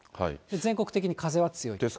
全国的に風は強いです。